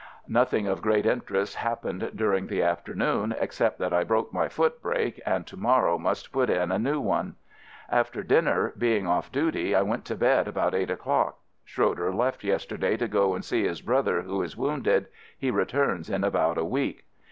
Nothing of great interest happened dur ing the afternoon, except that I broke my foot brake and to morrow must put in a new one. After dinner, being off duty, I went to bed about eight o'clock. Schroe der left yesterday to go and see his brother who is wounded — he returns in about a week.